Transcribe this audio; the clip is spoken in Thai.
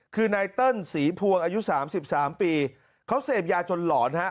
คือไนเติ้ลสีภวงอายุสามสิบสามปีเขาเสพยาจนหลอนนะนะ